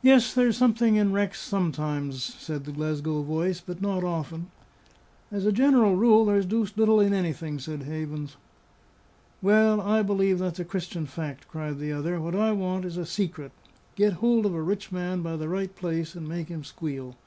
"Yes, there's something in wrecks sometimes," said the Glasgow voice; "but not often." "As a general rule, there's deuced little in anything," said Havens. "Well, I believe that's a Christian fact," cried the other. "What I want is a secret; get hold of a rich man by the right place, and make him squeal."